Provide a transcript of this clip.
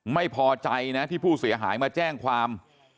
ไม่พอใจนะที่ผู้เสียหายมาแจ้งความ